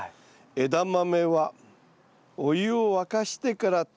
「枝豆はお湯を沸かしてからとりに行け」。